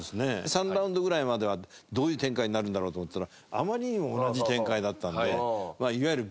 ３ラウンドぐらいまではどういう展開になるんだろうと思ってたらあまりにも同じ展開だったんでいわゆるブーイングですよね。